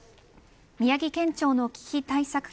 宮城県庁の危機対策